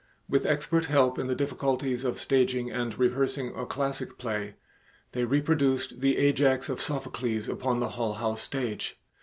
With expert help in the difficulties of staging and rehearsing a classic play, they reproduced the Ajax of Sophocles upon the Hull House stage.